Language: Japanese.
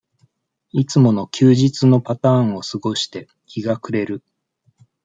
いつもの休日のパターンを過ごして、日が暮れる。